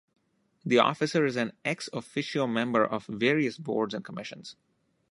The officeholder is an ex officio member of various boards and commissions.